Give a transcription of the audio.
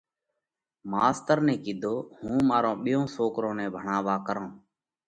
ماستر نئہ ڪِيڌو: هُون مارون سوڪرون نئہ ڀڻاووا ڪرونه؟